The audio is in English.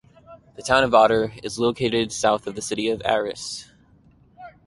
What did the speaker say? The town of Odder is located south of the city of Aarhus.